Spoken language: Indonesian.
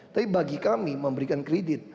tapi bagi kami memberikan kredit